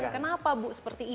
kenapa bu seperti ini